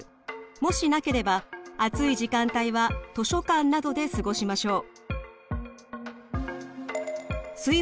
もしなければ暑い時間帯は図書館などで過ごしましょう。